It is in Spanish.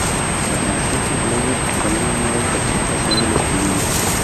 La canción concluye con una nueva interpretación del estribillo.